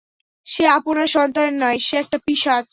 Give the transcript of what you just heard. সে আপনার সন্তান নয়, সে একটা পিশাচ!